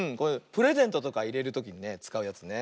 プレゼントとかいれるときにねつかうやつね